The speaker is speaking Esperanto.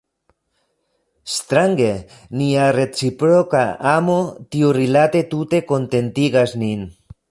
Strange, nia reciproka amo tiurilate tute kontentigas nin.